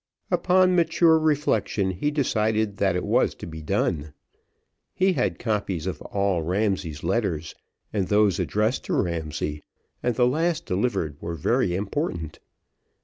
Upon mature reflection, he decided that it was to be done. He had copies of all Ramsay's letters, and those addressed to Ramsay, and the last delivered were very important.